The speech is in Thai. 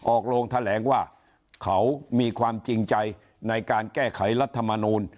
ลงแถลงว่าเขามีความจริงใจในการแก้ไขรัฐมนูล